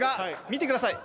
見てください。